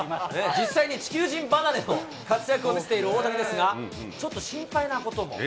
実際に地球人離れの活躍を見せている大谷ですが、ちょっと心配なことも。